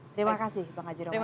terima kasih bang haji romai rama